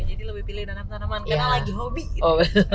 jadi lebih pilih nanam tanaman karena lagi hobi gitu